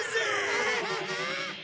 アハハハハ！